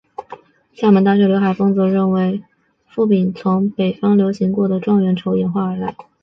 厦门大学刘海峰则认为博饼从北方流行过的状元筹演化而来。